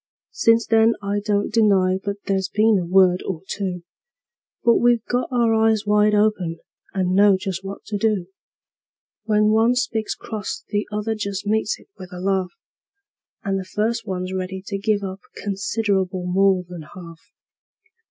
Since then I don't deny but there's been a word or two; But we've got our eyes wide open, and know just what to do: When one speaks cross the other just meets it with a laugh, And the first one's ready to give up considerable more than half.